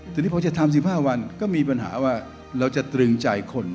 ทีนี้พอจะทำ๑๕วันก็มีปัญหาว่าเราจะตรึงใจคน